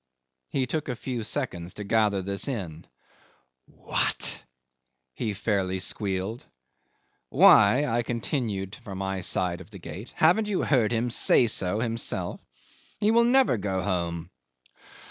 He took a few seconds to gather this in. "What!" he fairly squealed. "Why," I continued from my side of the gate, "haven't you heard him say so himself? He will never go home."